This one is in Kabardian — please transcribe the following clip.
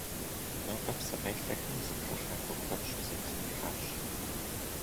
Нобэ псыкъелъэхэм зыплъыхьакӀуэ куэд щызэтрихьащ.